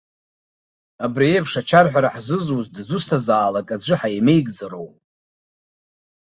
Абри аиԥш ачарҳәара ҳзызуз дазусҭазаалак аӡәы ҳаимеигӡароуп.